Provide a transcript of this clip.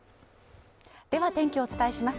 では天気をお伝えします。